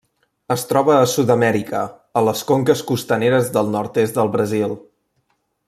Es troba a Sud-amèrica, a les conques costaneres del nord-est del Brasil.